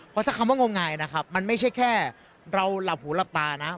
เพราะถ้าคำว่างมงายนะครับมันไม่ใช่แค่เราหลับหูหลับตานะ